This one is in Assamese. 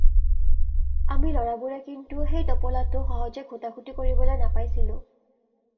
আমি ল’ৰাবোৰে কিন্তু সেই টোপোলাটো সহজে ঘোটা-ঘুটি কৰিবলৈ নাপাইছিলোঁ